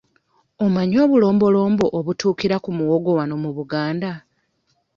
Omanyi obulombolombo obutuukira ku muwogo wano mu Buganda?